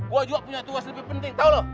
gua juga punya tugas lebih penting tau lo